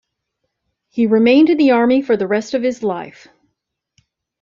He remained in the army for the rest of his life.